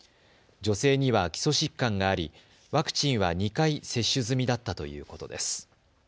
女性には基礎疾患がありワクチンは２回接種済みだったということです。